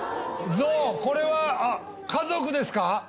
象これは家族ですか？